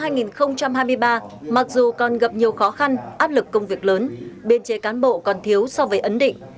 năm hai nghìn hai mươi ba mặc dù còn gặp nhiều khó khăn áp lực công việc lớn biên chế cán bộ còn thiếu so với ấn định